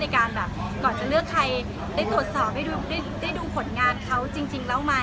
การแบบก่อนจะเลือกใครได้ตรวจสอบได้ดูผลงานเขาจริงแล้วไหม